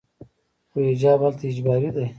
خو حجاب هلته اجباري دی.